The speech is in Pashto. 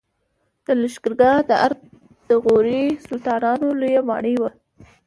د لښکرګاه د ارک د غوري سلطانانو لوی ماڼۍ وه